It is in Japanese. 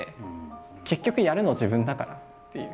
結局やるの自分だからっていう。